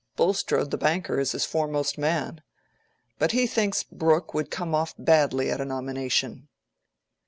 Bulstrode, the banker, is his foremost man. But he thinks Brooke would come off badly at a nomination."